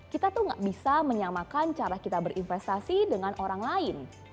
kita tuh gak bisa menyamakan cara kita berinvestasi dengan orang lain